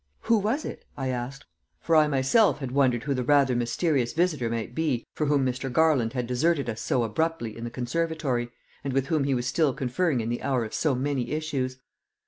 "Who was it?" I asked, for I myself had wondered who the rather mysterious visitor might be for whom Mr. Garland had deserted us so abruptly in the conservatory, and with whom he was still conferring in the hour of so many issues.